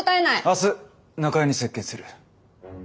明日中江に接見する。